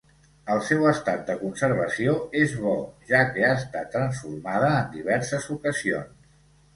El seu estat de conservació és bo, ja que ha estat transformada en diverses ocasions.